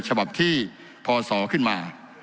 ฉบับที่พศขึ้นมา